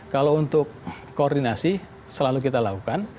kalau untuk koordinasi selalu kita lakukan